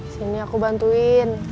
sini aku bantuin